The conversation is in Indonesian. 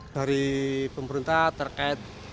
dari pemerintah terkait